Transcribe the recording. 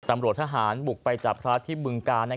ทำรโหลดทหารบุกไปจากพระธิบจุลเมืองกาล